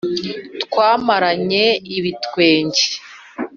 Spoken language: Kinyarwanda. twamaranye ibitwenge